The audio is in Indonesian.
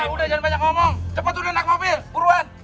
udah jangan banyak ngomong cepet udah naik mobil buruan